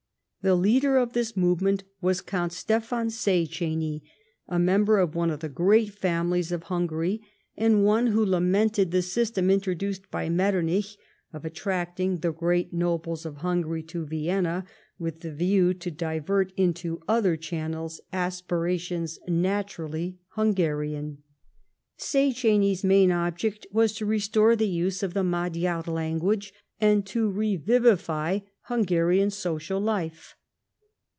The leader of this movement was Count Stephen Szechenyi, a member of one of the great families of Hungary, and one who lamented the system, introduced by Metternich, of attracting the great nobles of Hungary to Vienna, with the view to divert into other channels aspirations naturally Hungarian. Szechenyi's main object was to restore the use of the Magyar language, and to revivify Hungarian social life.